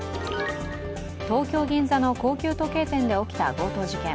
東京・銀座の高級時計店で起きた強盗事件。